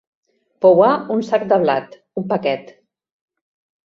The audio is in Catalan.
Pouar un sac de blat, un paquet.